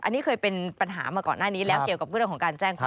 อันนี้เคยเป็นปัญหามาก่อนหน้านี้แล้วเกี่ยวกับเรื่องของการแจ้งความ